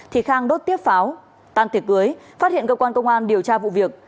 thì khang đốt tiếp pháo tan tiệc cưới phát hiện cơ quan công an điều tra vụ việc